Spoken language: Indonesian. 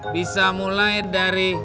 bisa mulai dari